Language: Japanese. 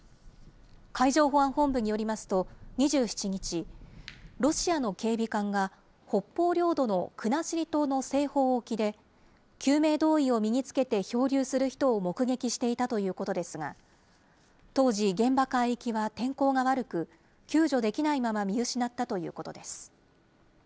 海上保安本部によりますと、２７日、ロシアの警備艦が、北方領土の国後島の西方沖で、救命胴衣を身につけて漂流する人を目撃していたということですが、当時、現場海域は天候が悪く、救助できないまま見失ったということです。